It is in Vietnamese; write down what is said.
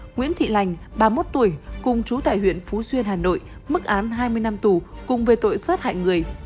nguyễn thị lành ba mươi một tuổi cùng chú tại huyện phú xuyên hà nội mức án hai mươi năm tù cùng với tội sát hại người